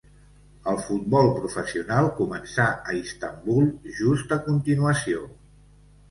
El futbol professional començà a Istanbul just a continuació.